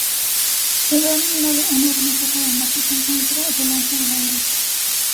Una gran estatua del mártir se encuentra delante de la iglesia.